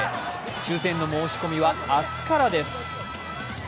抽選の申し込みは明日からです。